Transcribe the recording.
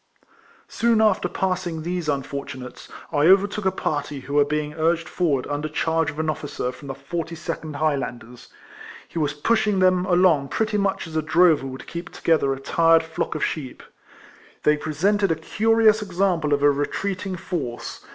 Soon after passing these unfortunates, I overtook a party who were being urged forward under charge of an officer of the 42nd Highlanders. He was pushing them along pretty much as a drover would keep together a tired flock of sheep. They pre L 3 226 RECOLLECTIONS OF sented a curious example of a retreating force.